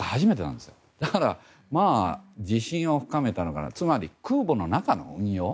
だから自信を深めたのかつまり空母の中の運用。